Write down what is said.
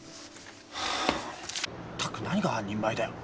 ったく何が半人前だよ。